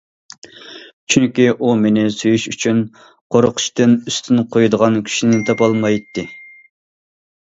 چۈنكى ئۇ مېنى سۆيۈش ئۈچۈن، قورقۇشتىن ئۈستۈن قويىدىغان كۈچنى تاپالمايتتى.